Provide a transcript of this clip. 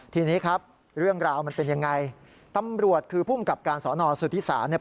ทีนี้ครับเรื่องราวมันเป็นยังไงตำรวจคือภูมิกับการสอนอสุทธิศาสเนี่ย